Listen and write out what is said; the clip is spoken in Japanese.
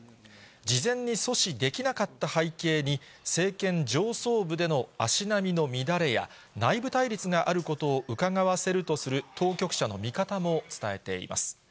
事前に阻止できなかった背景に、政権上層部での足並みの乱れや、内部対立があることをうかがわせるとする当局者の見方も伝えています。